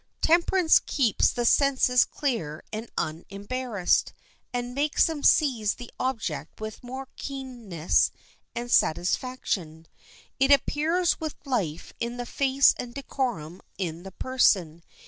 Temperance keeps the senses clear and unembarrassed, and makes them seize the object with more keenness and satisfaction. It appears with life in the face and decorum in the person.